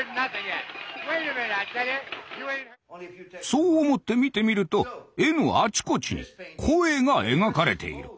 そう思って見てみると絵のあちこちに「声」が描かれている。